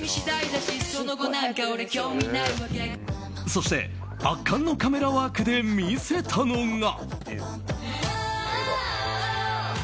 そして、圧巻のカメラワークで見せたのが。